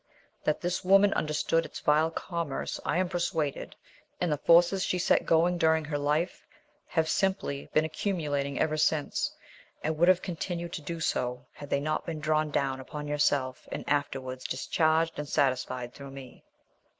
That this woman understood its vile commerce, I am persuaded, and the forces she set going during her life have simply been accumulating ever since, and would have continued to do so had they not been drawn down upon yourself, and afterwards discharged and satisfied through me.